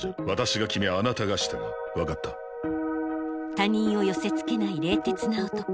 他人を寄せつけない冷徹な男。